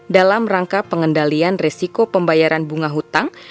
dalam rangka pengendalian resiko pembayaran bunga hutang